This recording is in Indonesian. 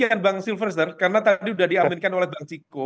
terima kasih bang silverster karena tadi sudah diaminkan oleh bang ciko